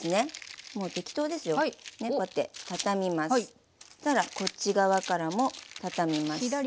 そしたらこっち側からも畳みます。